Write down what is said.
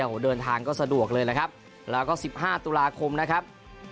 โอ้โหเดินทางก็สะดวกเลยนะครับแล้วก็สิบห้าตุลาคมนะครับ